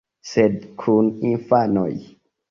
Sed kun infanoj?